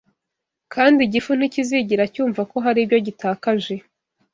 kandi igifu ntikizigera cyumva ko hari ibyo gitakaje